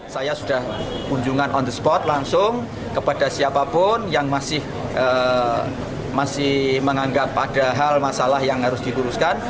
saya sudah kunjungan on the spot langsung kepada siapapun yang masih menganggap ada hal masalah yang harus dikuruskan